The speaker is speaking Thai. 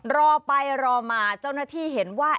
รอไปรอมาเจ้าหน้าที่เห็นว่า